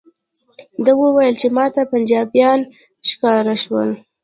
ده وویل چې ماته پنجابیان ښکاره شول.